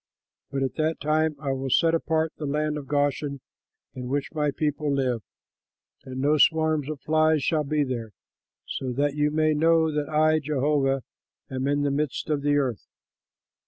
But at that time I will set apart the land of Goshen in which my people live, and no swarms of flies shall be there, so that you may know that I, Jehovah, am in the midst of the earth.'"